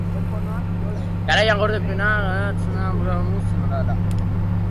Garaipenak gorabehera, erromatar armadak egundoko diziplina eza erakutsi zuen.